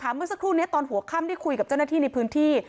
เมื่อสักครู่นี้ตอนหัวค่ำได้คุยกับเจ้าหน้าที่ในพื้นที่